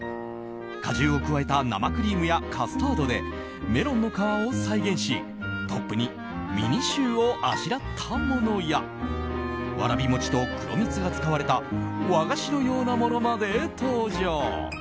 果汁を加えた生クリームやカスタードでメロンの皮を再現しトップにミニシューをあしらったものやわらび餅と黒蜜が使われた和菓子のようなものまで登場。